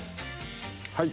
はい。